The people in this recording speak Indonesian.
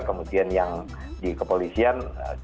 kemudian yang di kepolisian